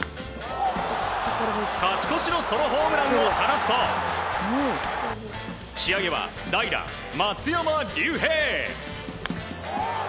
勝ち越しのソロホームランを放つと仕上げは代打、松山竜平。